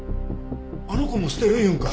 あの子も捨てる言うんか！？